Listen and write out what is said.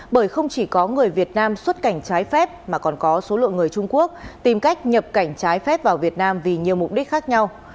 bởi không chỉ có người việt nam xuất cảnh trái phép mà còn có số lượng người trung quốc tìm cách nhập cảnh trái phép vào việt nam vì nhiều mục đích khác nhau